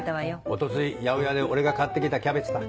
おとつい八百屋で俺が買ってきたキャベツだ。